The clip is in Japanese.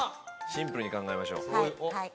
シンプルに考えましょうはいはい